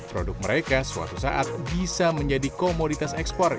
produk mereka suatu saat bisa menjadi komoditas ekspor